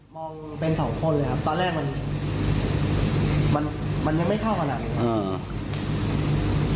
มองเป็น๒คนเลยครับตอนแรกมันยังไม่เข้าก็หลัง